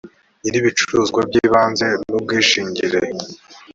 nyir ibicuruzwa by ibanze n ubwishingire